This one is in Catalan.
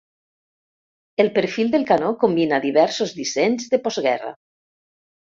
El perfil del canó combina diversos dissenys de postguerra.